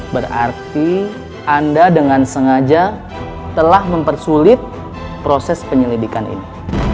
berarti anda dengan sengaja telah mempersulit proses penyelidikan ini